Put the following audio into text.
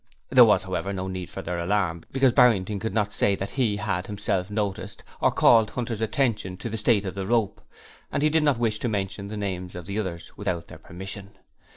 There was, however, no need for their alarm, because Barrington could not say that he had himself noticed, or called Hunter's attention to the state of the rope; and he did not wish to mention the names of the others without their permission.